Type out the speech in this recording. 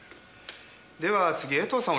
では次江藤さん